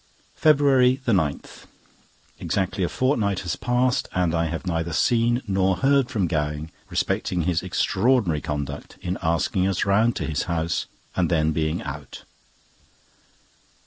FEBRUARY 9.—Exactly a fortnight has passed, and I have neither seen nor heard from Gowing respecting his extraordinary conduct in asking us round to his house, and then being out.